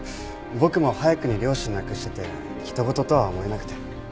僕も早くに両親亡くしてて人ごととは思えなくて。